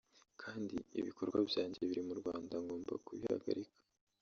kandi ibikorwa byanjye biri mu Rwanda ngomba kubihagarika